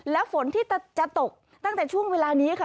และฝนที่จะตกตั้งแต่ช่วงเวลานี้ค่ะ